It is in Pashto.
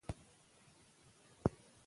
پیسې باید په سمه توګه مصرف شي.